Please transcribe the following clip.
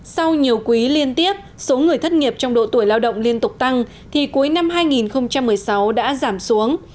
sau nhiều quý liên tiếp số người thất nghiệp trong độ tuổi lao động liên tục tăng thì cuối năm hai nghìn một mươi sáu đã giảm xuống